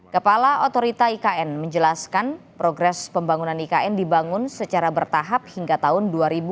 kepala otorita ikn menjelaskan progres pembangunan ikn dibangun secara bertahap hingga tahun dua ribu dua puluh